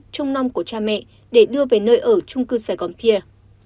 trông non của cha mẹ để đưa về nơi ở trung cư sài gòn pier